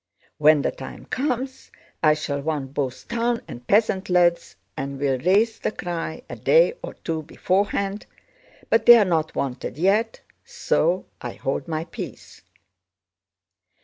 When the time comes I shall want both town and peasant lads and will raise the cry a day or two beforehand, but they are not wanted yet so I hold my peace.